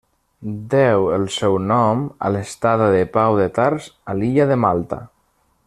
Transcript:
Deu el seu nom a l'estada de Pau de Tars a l'illa de Malta.